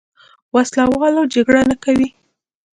وسله واله جګړه نه کوي.